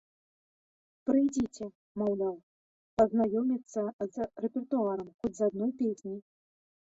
Прыйдзіце, маўляў, пазнаёміцца з рэпертуарам, хоць з адной песняй.